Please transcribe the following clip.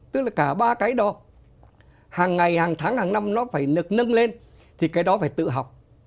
tức là cả ba cái đó hàng ngày hàng tháng hàng năm nó phải được nâng lên thì cái đó phải tự học